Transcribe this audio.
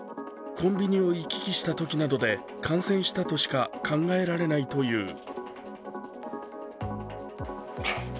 コンビニを行き来したときなどで感染したとしか考えられないという。